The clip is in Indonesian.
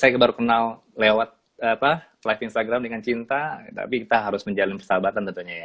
saya baru kenal lewat live instagram dengan cinta tapi kita harus menjalin persahabatan tentunya ya